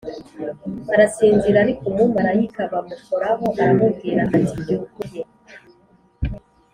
arasinzira Ariko umumarayika b amukoraho aramubwira ati byuka urye